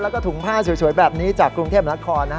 แล้วก็ถุงผ้าสวยแบบนี้จากกรุงเทพนคร